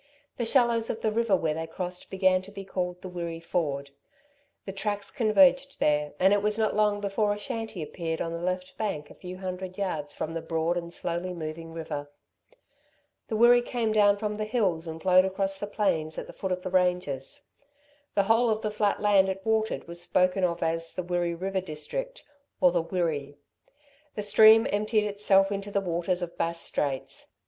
The shallows of the river where they crossed began to be called the Wirree Ford. The tracks converged there, and it was not long before a shanty appeared on the left bank a few hundred yards from the broad and slowly moving river. The Wirree came down from the hills and flowed across the plains at the foot of the ranges. The whole of the flat land it watered was spoken of as the Wirree river district, or the Wirree. The stream emptied itself into the waters of Bass Straits.